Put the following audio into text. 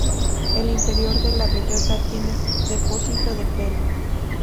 El interior de la bellota tiene depósito de pelo.